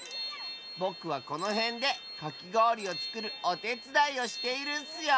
ぼくはこのへんでかきごおりをつくるおてつだいをしているッスよ。